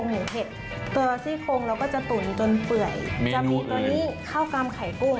เมนุเลยครับ